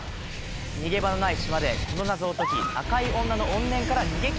逃げ場のない島でこの謎を解き赤い女の怨念から逃げきれるのか？